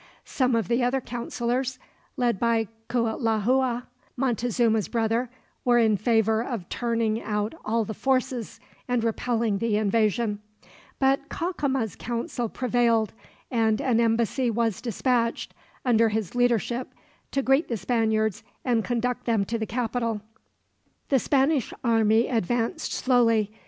Some of the other counselors, led by Cuitlahua, Montezuma's brother, were in favor of turning out all the forces and repelling the invasion; but Cacama's counsel prevailed, and an embassy was dispatched, under his leadership, to greet the Spaniards and conduct them to the capital. The Spanish army advanced slowly.